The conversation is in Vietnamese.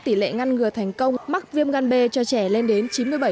tỷ lệ ngăn ngừa thành công mắc viêm gan b cho trẻ lên đến chín mươi bảy